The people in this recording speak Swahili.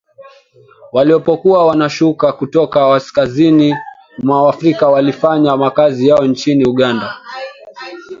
walipokuwa wanashuka kutoka kaskazini mwa Afrika walifanya makazi yao nchini Uganda